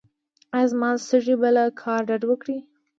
ایا زما سږي به له کار ډډه وکړي؟